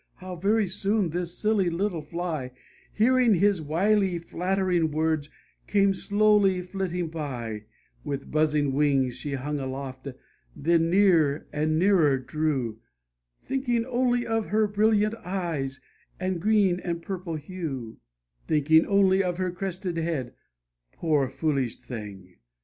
how very soon this silly little Fly, Hearing his wily, flattering words, came slowly flitting by: With buzzing wings she hung aloft, then near and nearer drew, Thinking only of her brilliant eyes, and green and purple hue, Thinking only of her crested head poor foolish thing